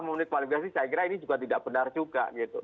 memiliki kualifikasi saya kira ini juga tidak benar juga